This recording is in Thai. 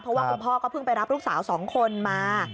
เพราะว่าคุณพ่อก็เพิ่งไปรับลูกสาว๒คนมา